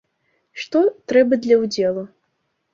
Што трэба для ўдзелу?